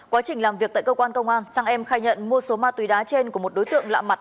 quá trình làm việc tại cơ quan công an sang em khai nhận mua số ma túy đá trên của một đối tượng lạ mặt